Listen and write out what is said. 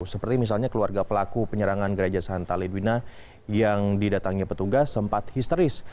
seperti misalnya keluarga pelaku penyerangan gereja santa lidwina yang didatangi petugas sempat histeris